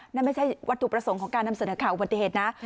นั่นไม่ใช่วัตถุประสงค์ของการนำเสนอข่าวอุบัติเหตุนะ